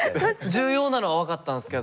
重要なのは分かったんすけど。